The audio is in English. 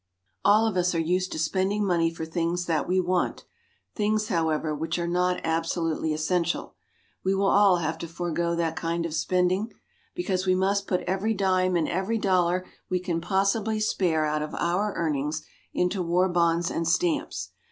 All of us are used to spending money for things that we want, things, however, which are not absolutely essential. We will all have to forego that kind of spending. Because we must put every dime and every dollar we can possibly spare out of our earnings into war bonds and stamps.